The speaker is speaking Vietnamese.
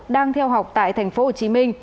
đang theo học tại tp hcm